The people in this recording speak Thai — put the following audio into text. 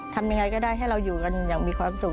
ทำยังไงก็ได้ให้เราอยู่กันอย่างมีความสุข